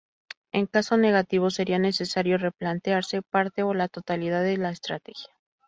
En caso negativo sería necesario replantearse parte o la totalidad de la estrategia.